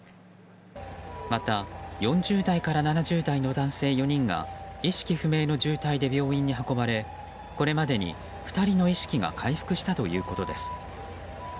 また、４０代から７０代の男性４人が意識不明の重体で病院に運ばれこれまでに２人の意識が回復したということです。